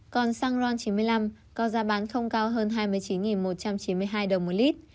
còn xăng ron chín mươi năm có giá bán không cao hơn hai mươi chín một trăm chín mươi hai đồng một lít